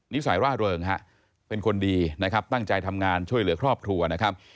นิสัยร่าเริงฮะเป็นคนดีนะครับตั้งใจทำงานช่วยเหลือครอบครัวนะครับ